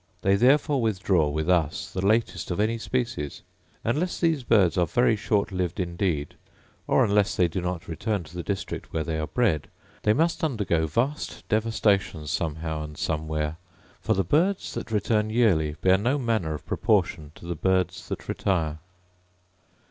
They therefore withdraw with us the latest of any species. Unless these birds ate very short lived indeed, or unless they do not return to the district where they are bred, they must undergo vast devastations somehow, sad somewhere; for the birds that return yearly bear no manner of proportion to the birds that retire.